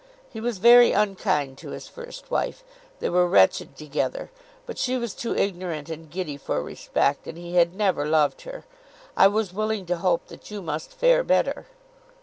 He was very unkind to his first wife. They were wretched together. But she was too ignorant and giddy for respect, and he had never loved her. I was willing to hope that you must fare better."